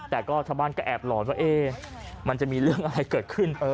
แต่ก็ชาวบ้านก็แอบหลอนว่ามันจะมีเรื่องอะไรเกิดขึ้น